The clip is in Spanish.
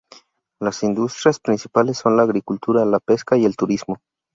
Las industrias principales son la agricultura, la pesca y el turismo.